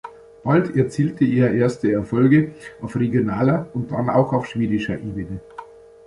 Bald erzielte er erste Erfolge auf regionaler und dann auch auf schwedischer Ebene.